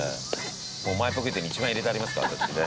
前ポケットに１万円入れてありますから私ね。